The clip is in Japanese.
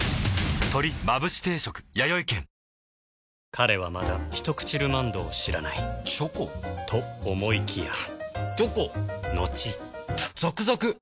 彼はまだ「ひとくちルマンド」を知らないチョコ？と思いきやチョコのちザクザク！